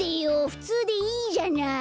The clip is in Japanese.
ふつうでいいじゃない！